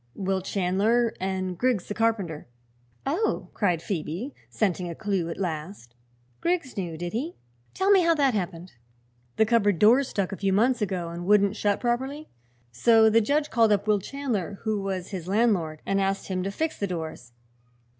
"Will Chandler, and Griggs the carpenter." "Oh!" cried Phoebe, scenting a clew at last. "Griggs knew, did he? Tell me how that happened." "The cupboard doors stuck, a few months ago, and wouldn't shut properly. So the judge called up Will Chandler, who was his landlord, and asked him to fix the doors.